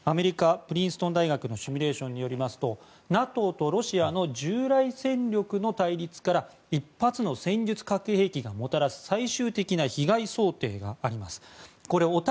アメリカ、プリンストン大学のシミュレーションによりますとＮＡＴＯのロシアの従来戦力の対立から１発の戦術核兵器がもたらす最終的な被害想定があります。